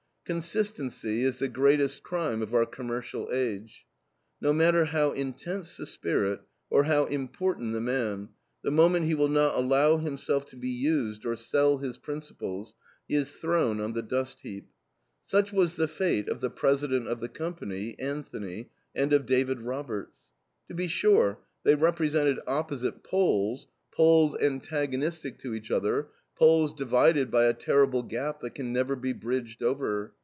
Consistency is the greatest crime of our commercial age. No matter how intense the spirit or how important the man, the moment he will not allow himself to be used or sell his principles, he is thrown on the dustheap. Such was the fate of the president of the company, Anthony, and of David Roberts. To be sure they represented opposite poles poles antagonistic to each other, poles divided by a terrible gap that can never be bridged over.